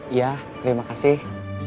iya terima kasih